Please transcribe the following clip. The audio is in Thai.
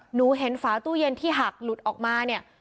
หนูเห็นฝาตู้เย็นที่หักหลุดออกมาเนี่ย